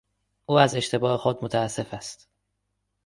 او از اشتباه خود متاسف است.